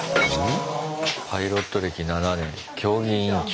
パイロット歴７年競技委員長。